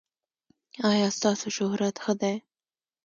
ایا ستاسو شهرت ښه دی؟